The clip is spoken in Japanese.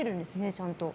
ちゃんと。